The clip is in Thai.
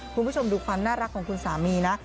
คุณผู้ชมดูความน่ารักของคุณสามีนะ